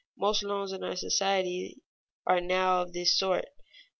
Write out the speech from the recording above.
Most loans in our society are now of this sort.